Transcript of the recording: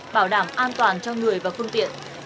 bảo đảm an toàn cho người và phương tiện